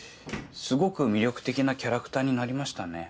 すごく魅力的なキャラクターになりましたね。